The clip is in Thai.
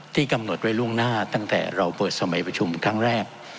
กำหนดไว้ล่วงหน้าตั้งแต่เราเปิดสมัยประชุมครั้งแรก